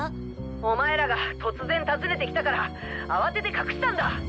お前らが突然訪ねて来たからあわてて隠したんだ。